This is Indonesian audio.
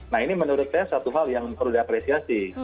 nah ini menurut saya satu hal yang perlu diapresiasi